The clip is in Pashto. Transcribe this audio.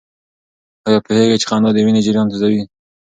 آیا پوهېږئ چې خندا د وینې جریان تېزوي؟